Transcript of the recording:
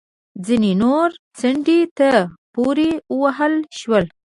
ځینې نور څنډې ته پورې ووهل شول